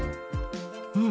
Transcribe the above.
うん！